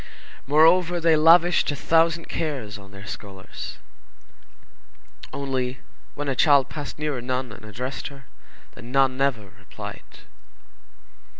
Moreover, they lavished a thousand cares on their scholars. Only, when a child passed near a nun and addressed her, the nun never replied.